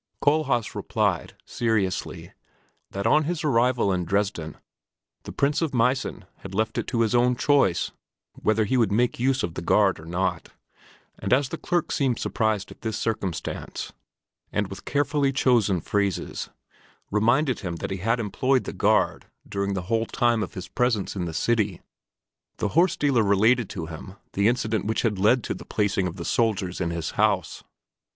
Kohlhaas replied, seriously, that on his arrival in Dresden the Prince of Meissen had left it to his own choice whether he would make use of the guard or not, and as the clerk seemed surprised at this circumstance and with carefully chosen phrases reminded him that he had employed the guard during the whole time of his presence in the city, the horse dealer related to him the incident which had led to the placing of the soldiers in his house.